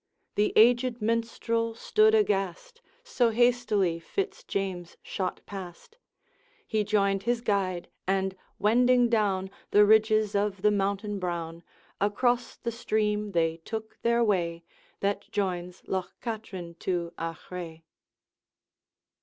The aged Minstrel stood aghast, So hastily Fitz James shot past. He joined his guide, and wending down The ridges of the mountain brown, Across the stream they took their way That joins Loch Katrine to Achray.